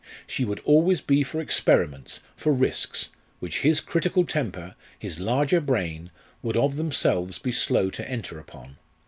She would always be for experiments, for risks, which his critical temper, his larger brain, would of themselves be slow to enter upon.